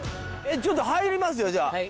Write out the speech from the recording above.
ちょっと入りますよじゃあ。